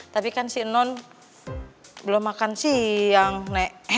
tapi kan si non belum makan siang nek